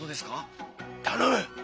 頼む！